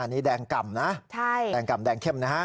อันนี้แดงกล่ำนะแดงกล่ำแดงเข้มนะฮะ